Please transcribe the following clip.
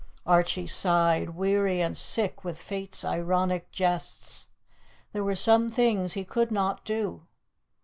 Archie sighed, weary and sick with Fate's ironic jests. There were some things he could not do.